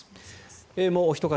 もうおひと方